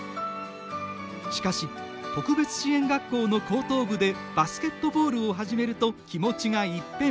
しかし、特別支援学校の高等部でバスケットボールを始めると気持ちが一変。